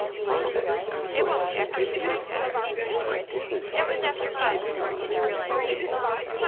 "Mama. Look, kid, if you're " "I didn't." She appeared a little feverish.